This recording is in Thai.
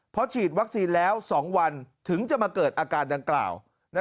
เพราะฉีดวัคซีนแล้ว๒วันถึงจะมาเกิดอาการดังกล่าว